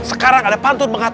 nah sekarang ada pantun mengangkat